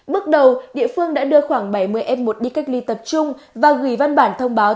bước đầu địa phương đã đưa khoảng bảy mươi f một đi cách ly tập trung và gửi văn bản thông báo